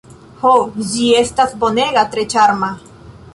Ho, ĝi estas bonega, tre ĉarma!